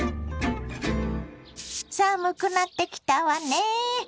寒くなってきたわね。